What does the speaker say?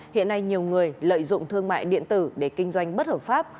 hiện nay nhiều người lợi dụng thương mại điện tử để kinh doanh bất hợp pháp